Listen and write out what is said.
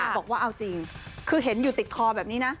บอกว่าเอาจริงคือเห็นอยู่ติดคอแบบนี้นะ